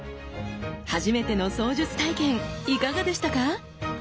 初めての槍術体験いかがでしたか？